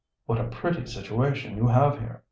"What a pretty situation you have here!"